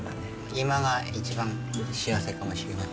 今が一番幸せかもしれない。